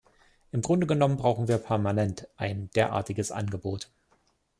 Im Grunde genommen brauchen wir permanent ein derartiges Angebot.